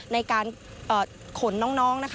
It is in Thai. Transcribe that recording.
ในการขุ่นน้อง